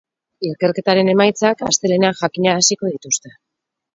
Ikerketaren emaitzak astelehenean jakinaraziko dituzte.